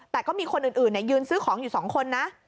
แต่ก็มีคนอื่นยืนซื้อของอยู่๒คนนะ